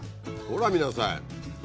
ほら見なさい。